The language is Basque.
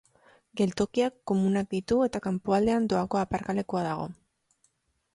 Geltokiak komunak ditu eta kanpoaldean doako aparkalekua dago.